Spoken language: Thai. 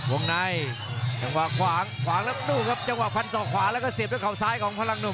วงในยังว่าขวางขวางล้างตู้ครับจังหวะพันสอขวาแล้วก็เสียบก็เขาซ้ายของพลังหนุ่ม